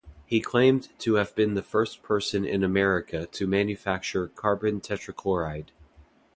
He claimed to have been the first person in America to manufacture carbon tetrachloride.